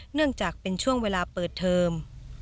เนื่องจากเป็นช่วงเวลาเปิดเทอม